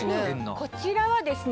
こちらはですね